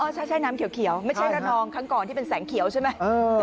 ใช่ใช้น้ำเขียวไม่ใช่กระนองที่เป็นแสงเขียวใช่ไหม